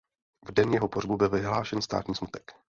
V den jeho pohřbu byl vyhlášen státní smutek.